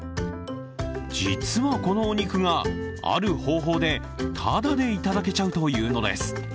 実は、このお肉がある方法でただでいただけちゃうというのです。